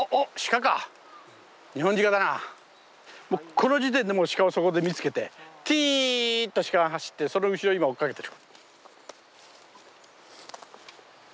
この時点でもうシカをそこで見つけてティーンとシカが走ってその後ろ今追っかけてる。